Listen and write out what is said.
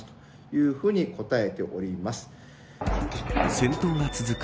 戦闘が続く